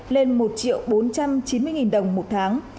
lên một bốn trăm chín mươi đồng một tháng